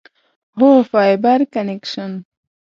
هو، فایبر کنکشن